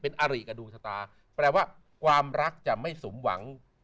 เป็นอาริกับดวงชะตาแปลว่าความรักจะไม่สมหวัง